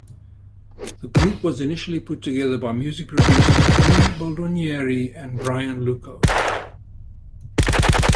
The group was initially put together by music producers Louis Baldonieri and Brian Lukow.